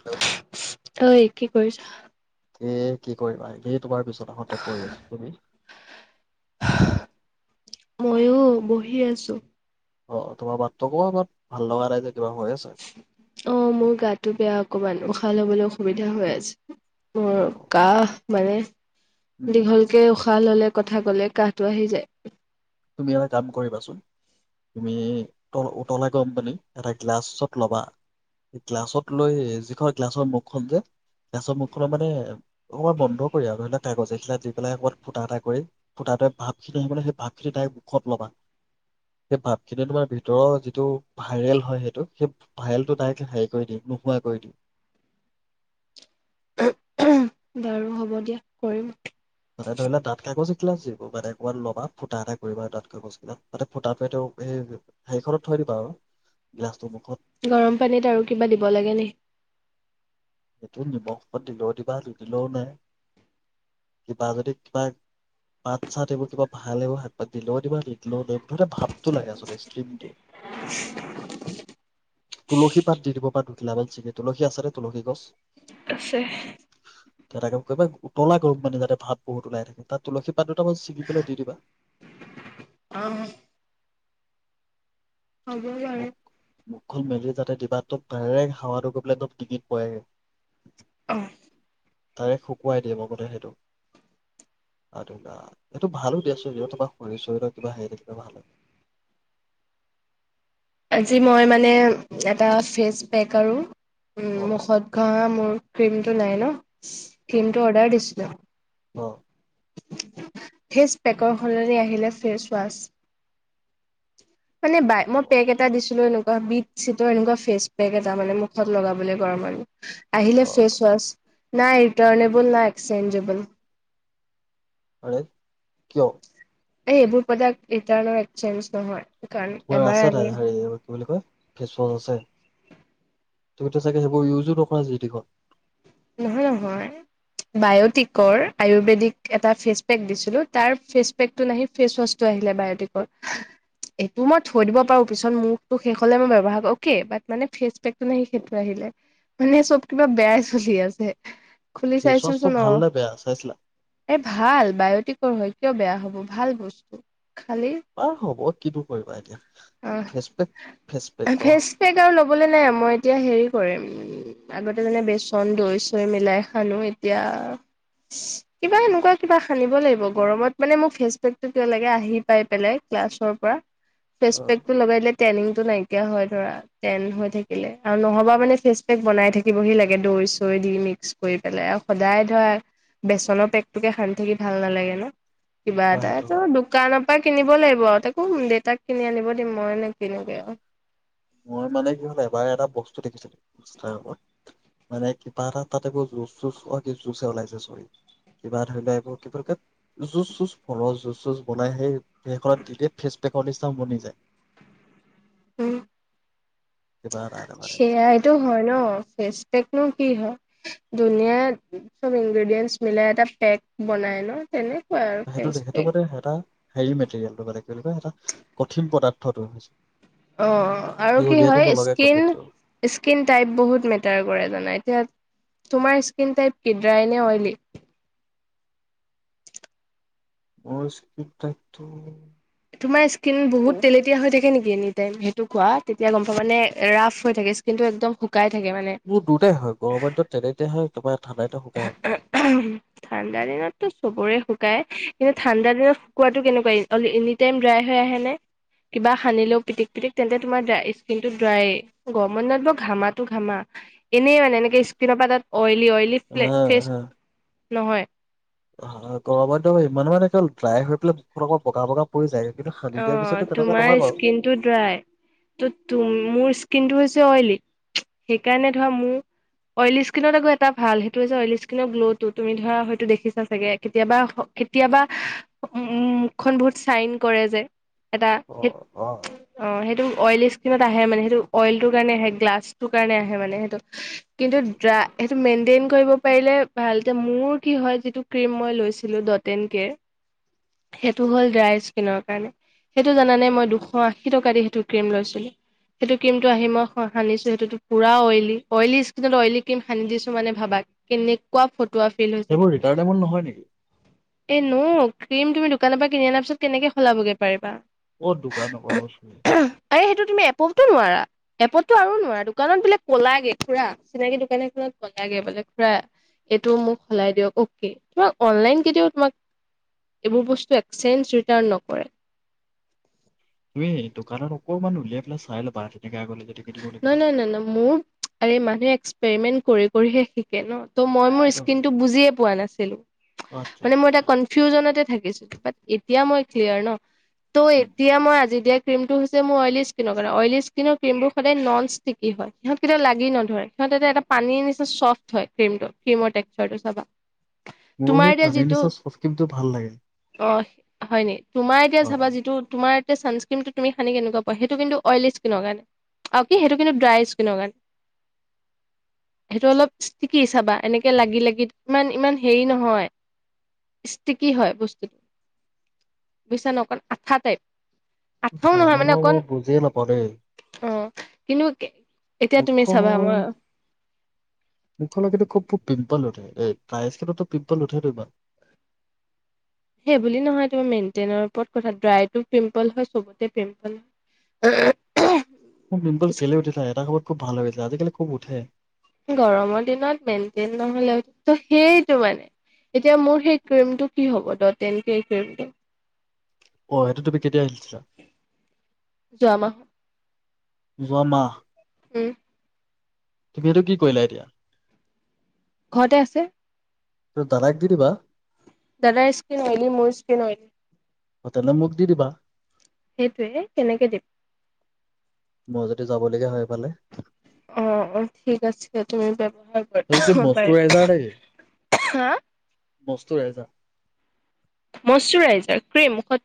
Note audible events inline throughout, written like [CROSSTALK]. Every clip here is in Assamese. হেল্ল' ঐ কি কৰিছ। স কি কৰিবা সি তোমাৰ পিছত আহঁতে পৰি আছো তুমি ময়ো বহি আছো। অ তোমাৰ বাৰ্তটো কব আমাৰ ভাল লগা ৰাইজে অ মোৰ গাতো বেয়া অকণমান উশ উশাহ ল'বলৈ অসুবিধা হৈ আছে। জ্বৰ অ কাহ মানে, উম দীঘলকে উশা উশাহ ল'লে, কথা কলে কাহটো আহি যায়। তুমি এটা কাম কৰিবাচোন, তুমিল উতলা গৰম পানী এটা গ্লাছত লবা। গ্লাছত লৈ যিখন গ্লাছৰ মুখখন যে, গ্লাছৰ মুখখননৰ মানে অকমান বন্ধ কৰি আৰু, ধৰি লাক কাগজ এইখিলা দি পেলাই অকণমান ফুটা এটা কৰি, ফুটাটো ভাপ খিনি আহ মানে সেই ভাৱ খিনি দাইৰেক্ট মুখত ল'বা। সেই বাপ খিনি তোমাৰ ভিতৰৰ যিটো ভাইৰেল হয় সেইটো, সেই ভাইৰেলটো দাইৰেক্ট হেৰি কৰি দিয়ে, নোহোৱা কৰি দিয়ে বাৰু হ'ব দিয়া, কৰিম। তাতে ধৰি লোৱা ডাঠ কাগজ এখিলা, যিবোৰ মানে কবাত ল'বা, ফুটা এটা কৰিবা ডাঠ কাগজ খিলা তাতে ফুটাটোৱে তেওঁ এ হেই হেৰিখনত থৈ দিবা আৰু, গিলাছটো মুখত। গৰম পানীত আৰু কিবা দিব লাগে নাই। এইটো নিমখ দিলেও দিবা নি দিলেও নাই, কিবা যদি কিবা পাত চাত এইবোৰ কিবা ভাল এইবোৰ শাক দিলেও দিবা নিদিলেও নাই, মুঠতে ভাপটো লাগে আচলতে, ষ্ট্ৰিমটো। উ [UNINTELLIGIBLE] তুলসী পাত দি দিব পাৰা দুখিলা মান ছিঙি, তুলসী আছে নে তুলসী গছ? আছে। তে এটা কাম কৰিবা, উতলা গৰম পানী যাতে ভাপ বহুত ওলাই থাকে, তাত তুলসী পাত দুটা মান ছিঙি পেলাই দি দিবা। অ। হ'ব বাৰু। মুখ- মুখখন মেলি যাতে দিবাটোক ডাইৰেক্ট হাৱাটো গৈ পেলাই তত ডটিঙিত পৰেগে। অ। ডাইৰেক্ট শুকুৱাই দিয়ে মগতে সেইটো, আৰু এইটো ভালো দিয়াচোন যিহেতু তোমাৰ শৰীৰ চৰীৰৰ কিবা হেৰি থাকিলে ভাল হয়। আজি মই মানে এটা ফেচ পেক আৰু, উম, অ', মুখত ঘহা মোৰ ক্ৰীমটো নাই ন। অ', ক্ৰিমটো অৰ্ডাৰ দিছিলোঁ। অ', ফেচ পেকৰ সলনি আহিলে ফেচ ৱাছ। মানে বাই, মই পেক এটা দিছিলো এনেকুৱা, বিট চিটৰ এনেকুৱা ফেচ পেক এটা মানে, মুখত লগাবলৈ গৰমৰ দিনত। আহিলে ফেচ অ', ৱাচ। নাই ৰিটাৰনেবল না এক্সচেঞজেবল। আৰে! কিয় এ এইবোৰ প্ৰডাক্ট ৰিটাৰ্ণ নহয়। চেঞ্জ নহয়। কাৰণ তোমাৰ এবাৰ আছে আমি তাত, হেৰি কি বুলি কয় ফেছৱাছ আছে? তুমতিয়া চাগে সেইবোৰ ইউজো নকৰা জিটিখন। নহয় নহয়, বায়টিকৰ আয়ুৰ্বেদিক এটা ফেচ পেক দিছিলো তাৰ ফেচ পেক টো নাহি ফেচ ৱাচটো আহিলে বায়টিকৰ, এইটো মই থৈ দিব পাৰো পিছত মোৰটো শেষ হলে মই ব্যৱহাৰ কৰিব অকে, বাট মানে ফেচ পেকটো নাহি সেইটো আহিলে। মানে চব কিবা বেয়া চলি আছে। খুলি ফেচ ৱাছটো চাইছোচোন, অ। ভাল নে বেয়া চাইছিলা? এ ভাল, বায়টিক হয় কিয় বেয়া হ'ব, ভাল বস্তু। খালি, বাৰু হ'ব কিনো কৰিবা এতিয়া অ। ফেচ পেক ফেচ পেক ন অ', ফেচ পেক আৰু ল'বলৈ নাই, মই এতিয়া হেৰি কৰিম। উম্। আগতে যেনে বেছ ন দৈ চৈ মিলাই খানো এতিয়া কিবা এনেকুৱা কিবা সানিব লাগিব গৰমত মানে মোৰ ফেচ পেকটো কিয় লাগে আহি পাই পেলাই ক্লাছৰ পৰা ফেচপেকটো লগাই দিলে। টেনিং টো নাইকিয়া হয় ধৰা টেন হৈ থাকিলে আৰু নহবা মানে ফেচ পেক বনাই থাকিবহি লাগে দৈ-চৈ দি মিক্স কৰি পেলাই আৰু সদায় ধৰা বেচনৰ পেকটোকে সানি থাকি ভাল নালাগে ন কিবা অ', এটা সেইটো ত হয়। দোকানত। তা কিনিব লাগিব আৰু তাকো দেউতাক কিনি আনিব দিম মই নে কিনোগে আৰু মই মানে কি হল এবাৰ এটা বস্তু দেখিছিলো। ইনষ্টাগ্ৰামত মানে কিবা এটা তাত এইবোৰ জুচ চু জু ওলাইছে, চৰি কিবা ধৰি লোৱা এইবোৰ ক জু চু ফৰ জু চুচ বনাই সেই সেইখনত থিকেই ফেচবোক তে কলষ্ঠান বনি যায়। উম কিবা এটা এনেকুৱা লাগিছে সেইয়াইটো হয় ন পেকনো কি হয় ধুনীয়া চব ইনগ্ৰেডিয়েন্টচ মিলাই এটা পেক বনাই ন তেনে সেইটো সেইটো মানে এটা হেৰি মেটেৰিয়েলটো মানে। তেনেকুৱা এটা কঠিন পদাৰ্থটো হৈছে। অ আৰু কি জুলীয়াটো হয় নলগে কঠিনটো স্কিন-স্কিন টাইপ বহুত মেটাৰ কৰে জানা এতিয়া তোমাৰ স্কিন টাইপ কিড্ৰাইনে অইলী? অ স্কিপাকটো তোমাৰ স্কিন বহুত তেলেতীয়া হৈ থাকে নেকি এনি টাইম সেইটো কোৱা তেতিয়া গম পা মানে ৰাফ হৈ থে স্কিন টো একমু মোৰ দুটাই হয় গৰমত তেলেতিয়া তেনেতে হয়। তপা ঠাণ্ডা দিনতো চবৰে শুকায় কিন্তু ঠাণ্ডা দিনত টো কেনেকুৱা এনি টাইম ড্ৰাই হৈ আহে নে কিবা সানিলেও পিটিক পিটিক তেন্তে তোমাৰ স্কিনটো ড্ৰাই গ মই ন ঘামাটো ঘামা এনেই মানে এনেকে স্কিনৰ পৰা তাত অইলী অইলি ফেচ উম-উ নহয়। অ গৰবাইিত ইমান মানে ড্ৰাই হৈ পেলাই মুখতৌ বগা বগা পৰি যায়। কিন্তু সানি অ দিয়াৰ পিছতো তেনেকুৱা তোমাৰ নহয় বাৰু স্কিনটো ড্ৰাই ত মোৰ স্কিনটো অইলী সেইকাৰণে ধৰা মোৰ অইলী স্কিনত আকৌ এটা ভাল সেইটো হৈছে অইলী স্কিনৰ গ্ল' টো তুমি ধৰা হয়তো দেখিছা চাগে কেতিয়াবা-কেতিয়াবা মুখখন বহুত চাইন কৰে যে এটা অ সেই অ অ সেইটো অইলী স্কিনত আহে মানে সেইটো অইলটোৰ কাৰণে আহে গ্লাছটোৰ কাৰণে আহে মানে সেইটো কিন্তু ড্ৰা সেইটো মেইনটেইন। কৰিব পাৰে ভাল মোৰ কি হয়। যিটো ক্ৰীম মই লৈছিলো ডটন কেৰ সেইটো হ'ল ড্ৰাই স্কিনৰকাৰণে সেইটো জানে মই দুশ আশী টকা দি সেইটো ক্ৰ্ৰীম লৈছিলো সেইটো ক্ৰিমটো আহি মই সানিছো সেইটোটো পুৰা অইলী অইলী স্কিনত অইলী ক্ৰীম সানি দিছো মানে ভাবা কেনেকুৱা ফ টোৱা ফিল হৈছে সেইবোৰ ৰিটাৰ্ণেবল নহয় নেকি এ নও ক্ৰীম তুমি দোকানৰ কিন আনা পাচত কেনেকে সলাবগৈ পাৰিবা। [UNINTELLIGIBLE] এপতটো আৰু নোৱাৰ দোকানত বোলে ক'লাগে খুৰা চিনাকি দোকান এখনত কলাগে বোলে খুৰা এইটো মোক সলাই দিয়ক অকে তোমাক অনলাইন কেতিয়াও তোমাক এইবোৰ বস্তু একেঞজ ৰিটাৰ্ণ নকৰে। তুমি দোকানত অকমান উলিয়াই পেলাই চাই লাবা। নাই, নাই, নাই, নাই মোৰ আৰু মানুহে এক্স পেমেন্ট কৰি কৰিহে শিকে ন ত মই মোৰ সেইটো হয় স্কিনটো বুজি এ পোৱা নাছিলো অ, আচ্ছা মানে মোৰ আচ্ছা এটা কনফিউজনতে এতিয়া মই ক্লিয়াৰ ন ত' উম, এতিয়া মই আজি দে ক্ৰীমটো হৈছে মোৰ অইলী স্কিনৰ কাৰণে, অইলী স্কিনৰ ক্ৰীমবোৰ -সদায় নন ষ্টিকি হয় সিহঁত কেতিয়া লাগি নধৰে, সিহঁত এটা পানী নিচনা চফ্ট হয় ক্ৰীমটো ক্ৰীমৰ টেক্সচাৰটো চাবা। মোৰ তোমাৰ সেই এতিয়া পানীৰ যিটো নিচা চফট ক্ৰীমটো ভাল লাগে। অ হয় নেকি। তোমাৰ এতিয়া অ চাবা যিটো তোমাৰ ছানস্ক্ৰীমটো তুমি সানি কেনেকুৱা সেইটো কিন্তু অইলী স্কিনৰ কাৰণে আৰু কি সেইটো কিন্তু ড্ৰাই স্কিনৰ কাৰণে সেইটো অলপ ষ্টিকি চাবা এনেকে লাগি লাগি ইমান ইমান হেৰি নহয় ষ্টিকি হয় বস্তুটো বুজিছা ন অকণ আঠা টাইপ আঠাও নহয় জানো মানে মই বুজিয়ে নাপাওঁ দেই কিনোকে এতিয়া তুমি চাবা মই মুখখনত কিন্ত খোব খোব পিম্পল উঠে, এই ড্ৰাই স্কিনত পিম্পল উঠেনে ইমান সেইবুলি নহয় তোমাৰ মেইনটেইনৰ ওপৰত কথা ড্ৰাইটো পিম্পল হয় চবতে পিম্পল হয়। মোৰ পিম্পল কেলে উঠি থাকে এটা সময়ত খুব ভাল হৈ গৈছিলে। আজিকালি খুব উঠে। গৰমৰ দিনত মেইনটেইন নহলে ত সেইটো মানে, এতিয়া মোৰ সেই ক্ৰীমটো কি হ'ব ডট এন কিৰ স্ক্ৰীমটো অ', সেইটো তুমি কেতিয়া আনিছিলা। যোৱা মাহত যোৱা মাহ উ'ম তুমি সেইটো কি কৰিলা এতিয়া ঘৰতে আছে। ত দাদাক দি দিবা। দাদাৰ স্কিন অইলী মোৰ স্কিন অইলী অ', তেলে মোক দি দিবা। সেইটোয়ে কেনেকে দিম। মই যদি যাবলগীয়া হয় এইফালে অ', অ', ঠিক আছে তুমি ব সেইটো কি মস্তুো ৰাইজাৰ নেকি? হা মস্তে ৰাইজাৰ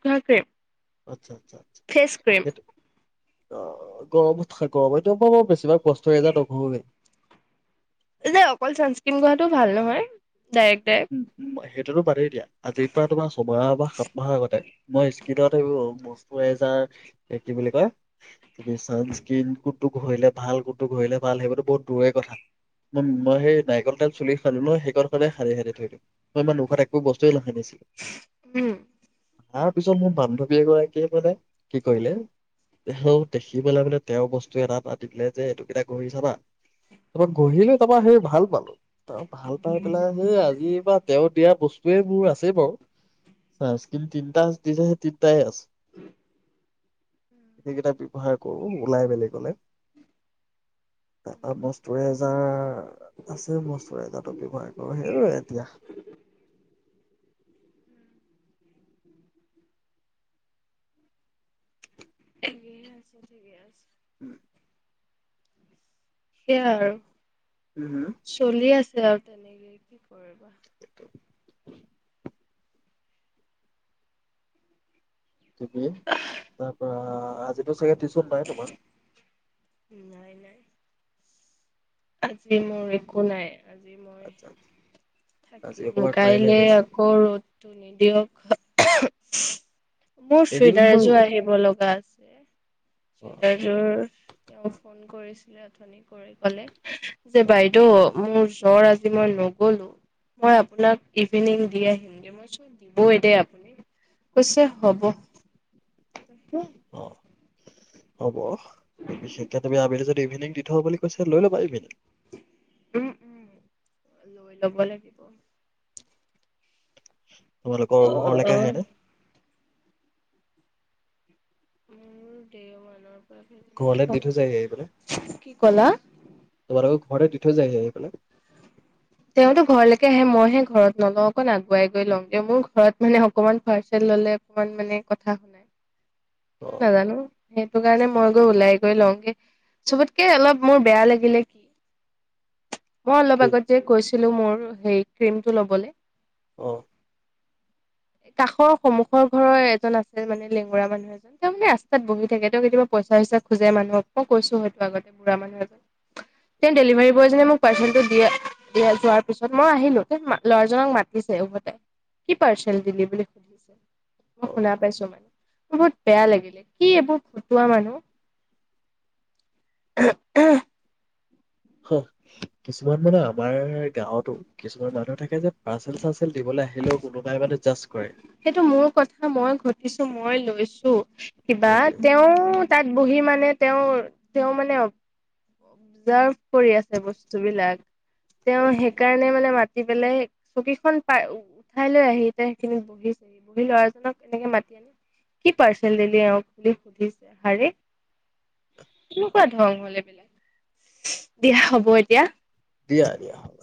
নহয় স্ক্ৰীম। আচ্ছা, আচ্ছা, আচ্ছা সেইটো অ গৰম গৰমেইতো ব বেছিভাগ কষ্ট হৈ যায় ত যে অকল চানস্ক্ৰণ গোৱাটো ভাল নহয়। Direct direct. সেইটো বাদে দিয়া। আজিৰ পৰা তোমাৰ ছমাহ বা সাত মাহৰ আগতে মই স্কিনত এইবোৰ মজাৰ কি বুলি কয় তুি চানস্কিন গোটো ঘৰিলে ভাল গোডটো ঘৰিলে ভাল সেইবোৰো বহুত দূৰে কথা মই মই সেই নাৰিকল তোইল চুলি খালো ন সেইখনত সদে সাৰি সাৰি তই ইমান মু উখ একো বস্তুৱে ল কিনিছিলে। উম তাৰ পিছত মোৰ বান্ধৱী এগৰাকীয়ে মানে কি কৰিলে দেখি পেলাই মানে তেওঁ বস্তু এটা এটা দি দিলে যে এইটো কেইটা ঘিৰ চাবা তাৰপৰা গিৰিলৈ তাৰাপৰা সেই ভাল পালো ত ভাল পাই পেলাই সেই আজ তেওঁ দিয়া বস্তুয়ে মোৰ আছেই বাৰু চাৰ্স্কিন তিনটা দিছে তিনটাই আছে সেইকেইটা ব্যৱহাৰ কৰোঁ ওলাই বেলেগলে মষ্টষ্টৰেজ। তা আছে বস্তুৰে আই তাতো ব্যৱহাৰ কৰো সেইটোৱে। গি আছে চি গে আছ উম সেইয়াই আৰু চলি আছে। সেয়া তেনেকে কি কৰিবা। থিকে তাৰ পৰা আজিতো চাগে। নাই তোমাৰ। উম নাই নাই। আজি মোৰ একো নাই আজি মই আচ্ছা আজি থাকিম অকমান পাৰিলে কাইলৈ ৰেষ্ট আকৌ ৰ'দ ত নিদিয়ক মোৰ এইকেইদিন চুৱেদাৰ বাৰু এযোৰ আহিব লগা আছে। এেই অ অ চিতযোৰ তেওঁ ফোন কৰিছিল। অথনি কৰি ক'লে যে বাইদেউ মোৰ জৰ আজি মই নগলো মই আপোনাক ইভিনিং দি আহিমগৈ মইচোন দিবই দেই আপুনি হ'ব ত যে অ হ'ব বিশেষকে তুমি আবেলি যদি ইভিনিং দি থব বুলি। কৈছে লৈ ল'বা ইভিনিং। উম উম লৈ ল'ব লাগিব। হয় তোমালোকৰ ঘৰলৈকে মোৰ আহে ন মোৰ দেও মান। ঘৰলে দি থো যায় আহ পেলে কি ক'লা তোমালোক ঘৰতে দি থৈ যায় আহি পেলাই। তেওঁতো ঘৰলৈকে আহে মইহে ঘৰত নলওঁ অকণ আগুৱাই গৈ লম তেওঁ মোৰ ঘৰত মানে অকমান পাৰ্চেল ললে অকমান মানে কথা শুনাই ক অ নাজানো? সেইটো কাৰণে মই গৈ ওলাই গৈ লওঁগে চবতকে অলপ মোৰ বেয়া লাগিলে কি? মই অলপ কি আগত। ছিলো মোৰ পেনতো লবলে। আহ কাষৰ সমন্মুখৰ ঘৰৰ এজন আছে মানে লেঙগুৰা মানুহ এজন তেওঁ মানে ৰাস্তাত বহি থাকে তেওঁ কেতিয়াবা পইচাইচা খোজে মানুহক মই কৈছো হয় আগতে বুঢ়া মানুহ এজন তেওঁ ডেলিভাৰী বয়জনে মোক পাৰ্চ দ এয়া যোৱাৰ পিছত মই আহিলো লৰাজনক মাতিছে উভতে কি পাৰ্চেল দিলি বুলি সুধিছে মই অ শুনা পাইছো মানে? বহুত বেয়া লাগিলে কি এইবোৰ ফুটোৱা মানুহ কিছুমান মানে আমাৰ গাঁৱতো কিছুমান মানুহে থাকে যে পাৰ্চেল চাৰ্চেল দিবলৈ আহিলেও কোনোবাই মানে জাষ্ট কৰে সেইটো মোৰ কথা মই ঘটিছো মই লৈছো। কিবা সেইটোৱে তেওঁ তাত বহি মানে মানে তেওঁ তেওঁ মানে যাৰ কৰি আছে বস্তু বিলাক তেওঁ সেইকাৰণে মানে কাতি পেলাই চকীখন পাই উঠাই লৈ আহি সেইখিনিক বহিছেহি বহি লৰাজনক এনেকে মাতি আনি কি পাৰ্চেল দিলি এক বুলি সুধিছে শাৰী কেনেকুৱা ধং হল এইবিলাক দিয়া হ'ব এতিয়া। দিয়া দিয়া হ'ব